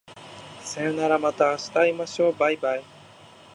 さようならまた明日会いましょう baibai